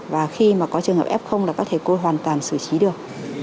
và khi mà có trường hợp f là các thầy cô hoàn toàn xử trí được